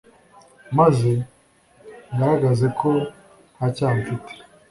maze ngaragaze ko ntacyaha mfite